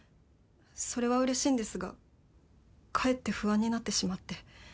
それはうれしいんですがかえって不安になってしまって。